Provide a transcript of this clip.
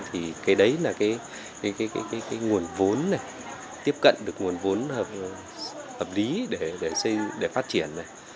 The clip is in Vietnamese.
thì cái đấy là cái nguồn vốn này tiếp cận được nguồn vốn hợp lý để phát triển này